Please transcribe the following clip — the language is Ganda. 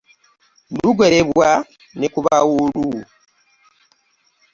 Lugerebwa ne ku bawuulu .